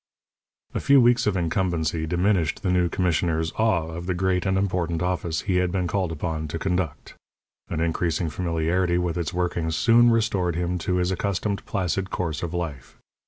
A few weeks of incumbency diminished the new commissioner's awe of the great and important office he had been called upon to conduct. An increasing familiarity with its workings soon restored him to his accustomed placid course of life.